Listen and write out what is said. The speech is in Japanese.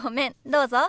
どうぞ。